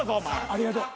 ありがとう。